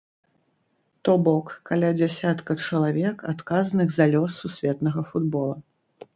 То бок, каля дзясятка чалавек, адказных за лёс сусветнага футбола.